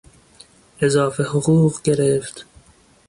اضافه حقوق گرفت.